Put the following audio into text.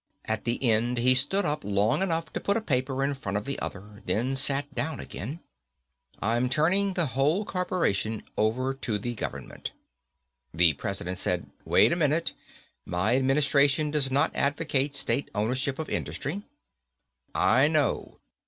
At the end he stood up long enough to put a paper in front of the other, then sat down again. "I'm turning the whole corporation over to the government...." The President said, "Wait a minute. My administration does not advocate State ownership of industry." "I know.